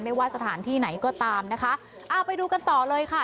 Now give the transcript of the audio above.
ว่าสถานที่ไหนก็ตามนะคะอ่าไปดูกันต่อเลยค่ะ